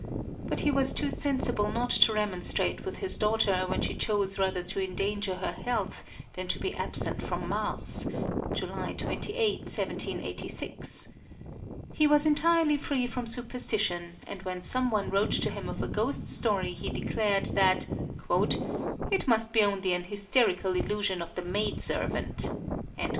But he was too sensible not to remonstrate with his daughter when she chose rather to endanger her health than to be absent from mass (July 28, 1786). He was entirely free from superstition, and when some one wrote to him of a ghost story he declared that "it must be only an hysterical illusion of the maid servant."